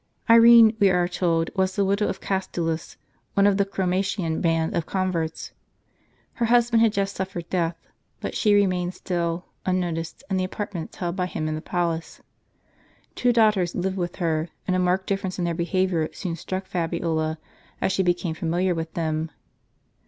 Irene, we are told, was the widow of Castulus, one of the Chromatian band of converts. Her husband had just suffered death; but she remained still, unnoticed, in the apartments held by him in the palace. Two daughters lived with her ; and a marked difierence in their behavior soon struck Fabi ola, as she became familiar with them.